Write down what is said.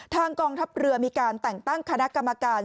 กองทัพเรือมีการแต่งตั้งคณะกรรมการ